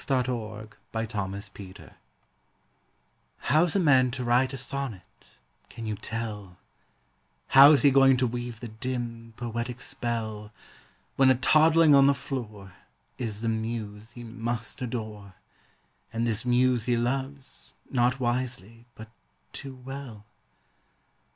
THE POET AND THE BABY How's a man to write a sonnet, can you tell, How's he going to weave the dim, poetic spell, When a toddling on the floor Is the muse he must adore, And this muse he loves, not wisely, but too well?